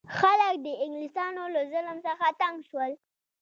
خلک د انګلیسانو له ظلم څخه تنګ شول.